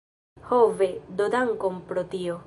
Ho ve, do dankon pro tio.